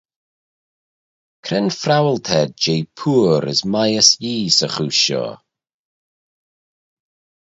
Cre'n phrowal t'ayd jeh pooar as mieys Yee 'sy chooish shoh?